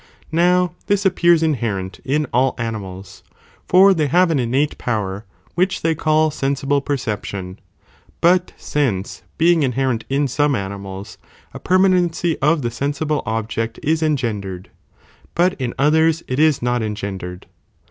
Now this ap pears inherent in all animals, for they have an innate power, which they call sensible percep tion,* but sense being inherent in some animfds, a permanency of the sensible object is engen dered, but in others it is not engendered.'